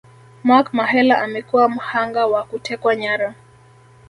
Mark Mahela amekuwa mhanga wa kutekwa nyara